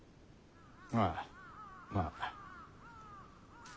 ああまあな。